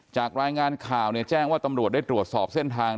จากรายงานข่าวแจ้งว่าตำรวจได้ตรวจสอบเส้นทาง